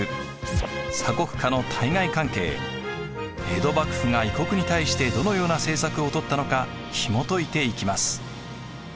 江戸幕府が異国に対してどのような政策をとったのかひもといていきます。